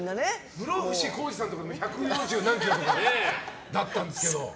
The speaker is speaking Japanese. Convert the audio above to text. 室伏広治さんとかでも１４０キロとかだったんですけど。